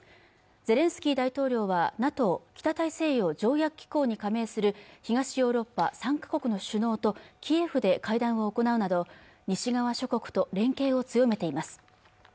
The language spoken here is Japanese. ゼレンスキー大統領はＮＡＴＯ北大西洋条約機構に加盟する東ヨーロッパ３か国の首脳とキエフで会談を行うなど西側諸国と連携を強めています